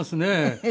ええ。